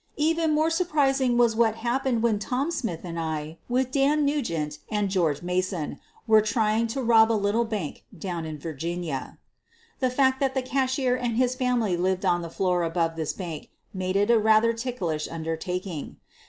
Even more surprising was what happened when Tom Smith and I, with Dan Nugent and George Mason, were trying to rob a little bank down in Virginia. The fact that the cashier and his family lived on the floor above this bank made it a rather ticklish undertaking.